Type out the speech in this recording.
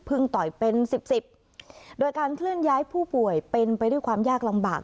ต่อยเป็นสิบสิบโดยการเคลื่อนย้ายผู้ป่วยเป็นไปด้วยความยากลำบาก